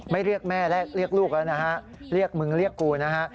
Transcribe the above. เรียกแม่เรียกลูกแล้วนะฮะเรียกมึงเรียกกูนะฮะ